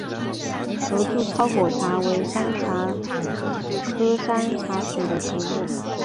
合柱糙果茶为山茶科山茶属的植物。